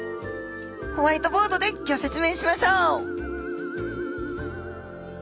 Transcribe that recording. ホワイトボードでギョ説明しましょう！